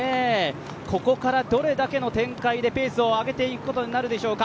ここからどれだけの展開でペースを上げてくることになるでしょうか。